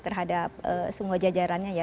terhadap semua jajarannya